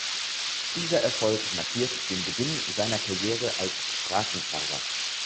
Dieser Erfolg markierte den Beginn seiner Karriere als Straßenfahrer.